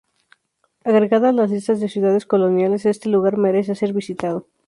Agregada a las listas de ciudades coloniales este lugar merece ser visitado.